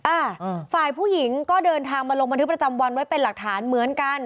อ่าฝ่ายผู้หญิงก็เดินทางมาลงบันทึกประจำวันไว้เป็นหลักฐานเหมือนกัน